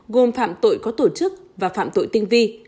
gồm phạm tội có tổ chức và phạm tội tinh vi